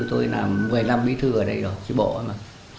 tôi làm một mươi năm bí thư ở đây rồi chứ bộ ấy mà